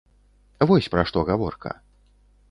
Вось пра што гаворка.